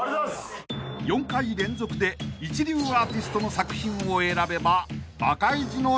［４回連続で一流アーティストの作品を選べばバカイジの勝利］